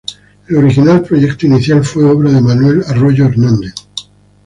El original proyecto inicial fue obra de Manuel Arroyo Hernández.